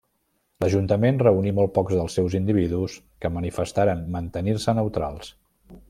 L'ajuntament reuní molt pocs dels seus individus que manifestaren mantenir-se neutrals.